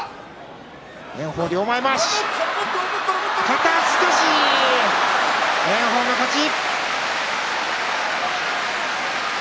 肩すかし、炎鵬の勝ち。